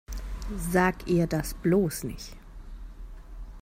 Sag ihr das bloß nicht!